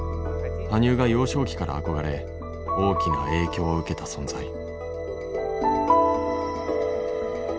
羽生が幼少期から憧れ大きな影響を受けた存在。